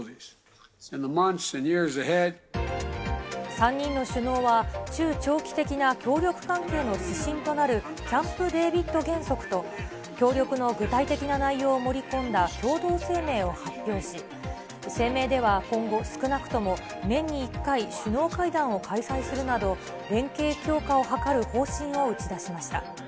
３人の首脳は、中長期的な協力関係の指針となるキャンプ・デービッド原則と協力の具体的な内容を盛り込んだ共同声明を発表し、声明では今後、少なくとも年に１回、首脳会談を開催するなど、連携強化を図る方針を打ち出しました。